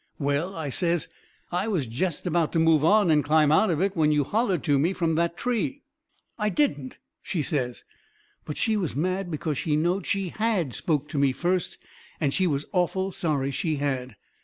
"Well," I says, "I was jest about to move on and climb out of it when you hollered to me from that tree." "I didn't!" she says. But she was mad because she knowed she HAD spoke to me first, and she was awful sorry she had.